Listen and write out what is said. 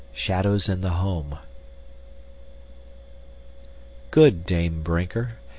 Shadows in the Home Good Dame Brinker!